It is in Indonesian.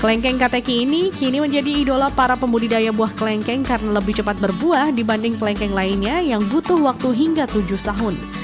kelengkeng kateki ini kini menjadi idola para pembudidaya buah kelengkeng karena lebih cepat berbuah dibanding kelengkeng lainnya yang butuh waktu hingga tujuh tahun